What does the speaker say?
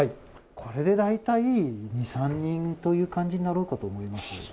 これで大体２、３人という感じになろうかと思います。